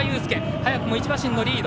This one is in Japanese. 早くも１馬身のリード。